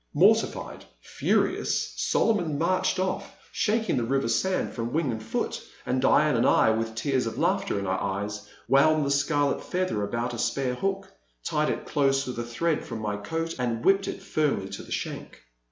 Mortified, furious, Solomon marched off, shak ing the river sand from wing and foot, and Diane and I, with tears of laughter in our eyes, wound the scarlet feather about a spare hook, tied it dose with a thread from my coat, and whipped it firmly to the shank.